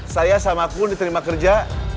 saya sama pun diterima kerja